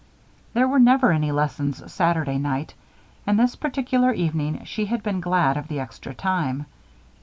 There were never any lessons Saturday night; and this particular evening she had been glad of the extra time.